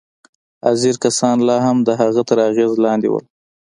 حاضر کسان لا هم د هغه تر اغېز لاندې وو